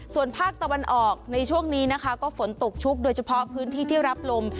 ส่วนภาคตะวันออกในช่วงนี้นะคะก็ฝนตกชุกโดยเฉพาะพื้นที่ที่รับลม